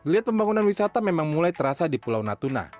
lihat pembangunan wisata memang mulai terasa di pulau natuna